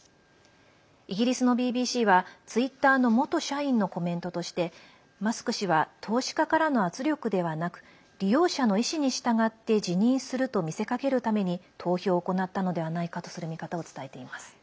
イギリスのＢＢＣはツイッターの元社員のコメントとしてマスク氏は投資家からの圧力ではなく利用者の意思に従って辞任すると見せかけるために投票を行ったのではないかとする見方を伝えています。